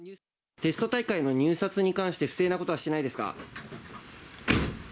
テスト大会の入札に関して不正なことはしてないですか。